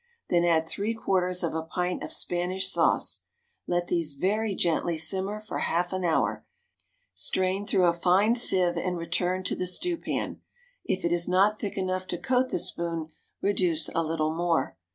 Then add three quarters of a pint of Spanish sauce. Let these very gently simmer for half an hour, skimming frequently; strain through a fine sieve, and return to the stewpan. If it is not thick enough to coat the spoon, reduce a little more.